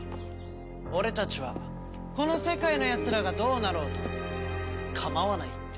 俺たちはこの世界のやつらがどうなろうとかまわないって。